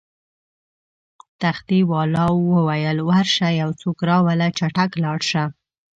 تختې والاو وویل: ورشه یو څوک راوله، چټک لاړ شه.